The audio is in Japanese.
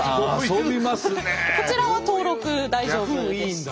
こちらは登録大丈夫でした。